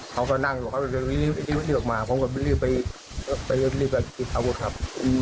เขาก็นั่งอยู่เขาเรียกมาผมก็เรียกไปกินเขาครับ